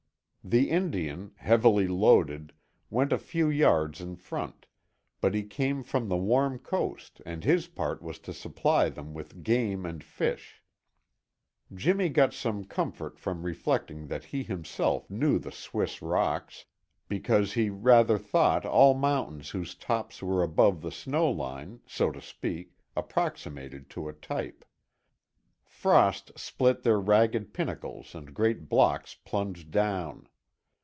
The Indian, heavily loaded, went a few yards in front, but he came from the warm coast and his part was to supply them with game and fish. Jimmy got some comfort from reflecting that he himself knew the Swiss rocks, because he rather thought all mountains whose tops were above the snow line, so to speak, approximated to a type. Frost split their ragged pinnacles and great blocks plunged down.